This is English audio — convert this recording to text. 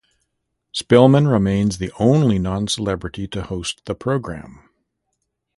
Spillman remains the only non-celebrity to host the program.